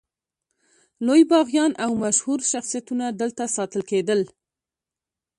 لوی باغیان او مشهور شخصیتونه دلته ساتل کېدل.